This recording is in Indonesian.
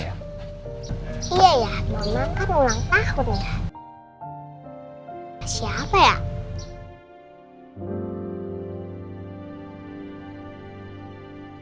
iya ya mama kan ulang tahun ya